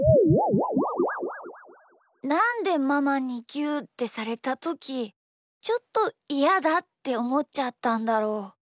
なんでママにぎゅうってされたときちょっとイヤだっておもっちゃったんだろう。